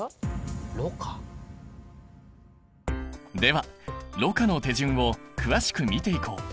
ではろ過の手順を詳しく見ていこう。